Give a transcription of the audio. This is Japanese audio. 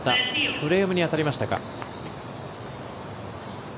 フレームに当たりましたか。